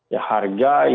ya harga yang